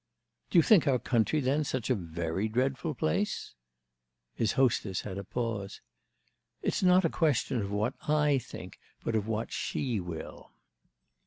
"Do you think our country, then, such a very dreadful place?" His hostess had a pause. "It's not a question of what I think, but of what she will."